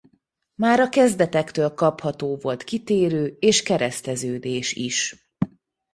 Már a kezdetektől kapható volt kitérő és kereszteződés is.